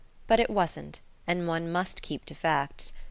But it wasn't; and one must keep to facts.